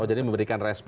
oh jadi memberikan respon